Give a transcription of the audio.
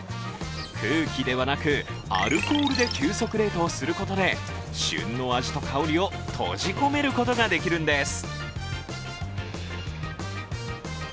空気ではなく、アルコールで急速冷凍することで旬の味と香りを閉じ込めることができるんです。